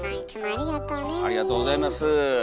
ありがとうございます。